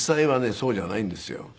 そうじゃないんですよ。